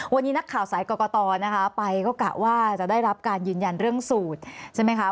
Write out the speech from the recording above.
วันนี้นักข่าวสายกรกตนะคะไปก็กะว่าจะได้รับการยืนยันเรื่องสูตรใช่ไหมคะ